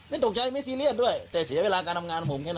ไม่ตกใจไม่ซีเรียสด้วยแต่เสียเวลาการทำงานของผมแค่นั้น